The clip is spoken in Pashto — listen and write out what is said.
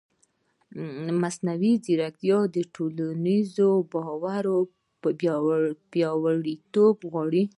مصنوعي ځیرکتیا د ټولنیز باور پیاوړتیا غواړي.